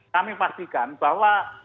kami pastikan bahwa